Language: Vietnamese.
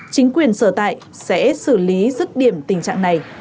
chính quyền sở tại sẽ xử lý rứt điểm tình trạng này